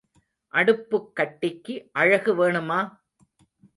அடுப்புக் கட்டிக்கு அழகு வேணுமா?